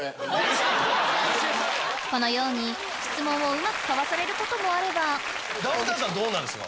このように質問をうまくかわされることもあればダウンタウンさんどうなんですか？